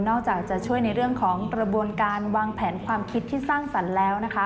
อกจากจะช่วยในเรื่องของกระบวนการวางแผนความคิดที่สร้างสรรค์แล้วนะคะ